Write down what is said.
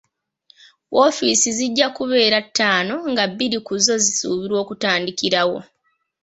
Offiisi zijja kubeera ttaano, nga bbiri ku zo zisuubirwa okutandikirawo.